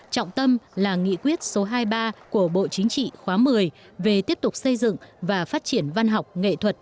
trọng tâm là nghị quyết số hai mươi ba của bộ chính trị khóa một mươi về tiếp tục xây dựng và phát triển văn học nghệ thuật